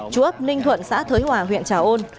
chúa ấp ninh thuận xã thới hòa huyện trào ôn